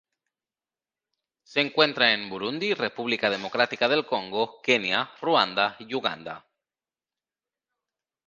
Se encuentra en Burundi, República Democrática del Congo, Kenia, Ruanda, y Uganda.